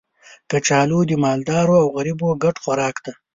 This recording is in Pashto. کچالو د مالدارو او غریبو ګډ خوراک دی